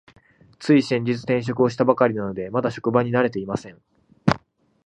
つい先月、転職をしたばかりなので、まだ職場に慣れていません。